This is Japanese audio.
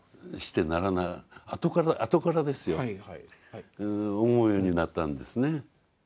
あとからあとからですよ思うようになったんですね。